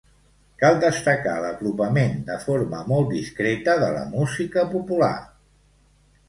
Cal destacar l'apropament, de forma molt discreta, de la música popular.